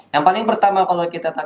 yang paling pertama kalau kita